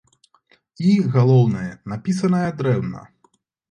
І, галоўнае, напісаная дрэнна.